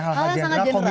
hal hal yang sangat general